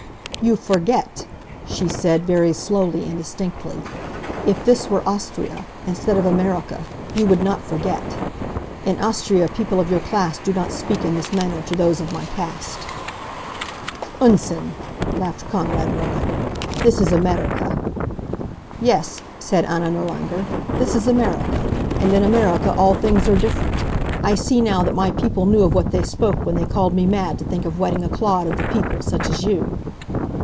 "You forget," she said, very slowly and distinctly. "If this were Austria, instead of Amerika, you would not forget. In Austria people of your class do not speak in this manner to those of my caste." "Unsinn!" laughed Konrad Nirlanger. "This is Amerika." "Yes," said Anna Nirlanger, "this is Amerika. And in Amerika all things are different. I see now that my people knew of what they spoke when they called me mad to think of wedding a clod of the people, such as you."